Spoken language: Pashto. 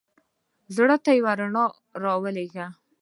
زړه ته یوه رڼا را ولېږه.